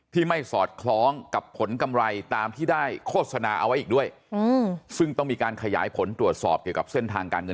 ที่ไม่สอดคล้องกับผลกำไรตามที่ได้โฆษณาเอาไว้อีกด้วย